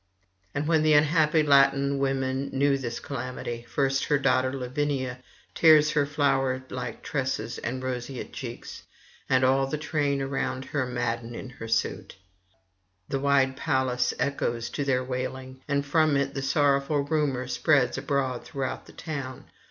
And when the unhappy Latin women knew this calamity, first her daughter Lavinia tears her flower like tresses and roseate cheeks, and all the train around her madden in her suit; the wide palace echoes to their wailing, and from it the sorrowful rumour spreads abroad throughout the town.